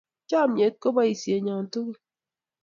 Chomnyet ko boisyenyo tugul.